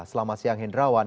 selamat siang hendrawan